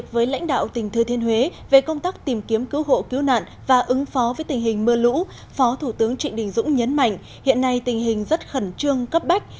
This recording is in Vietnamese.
với lãnh đạo tỉnh thừa thiên huế về công tác tìm kiếm cứu hộ cứu nạn và ứng phó với tình hình mưa lũ phó thủ tướng trịnh đình dũng nhấn mạnh hiện nay tình hình rất khẩn trương cấp bách